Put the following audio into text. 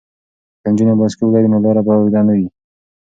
که نجونې بایسکل ولري نو لاره به اوږده نه وي.